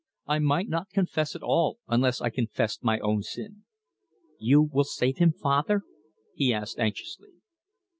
I might not confess at all unless I confessed my own sin. You will save him, father?" he asked anxiously.